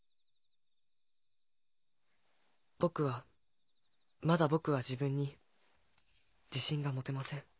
僕はまだ僕は自分に自信が持てません。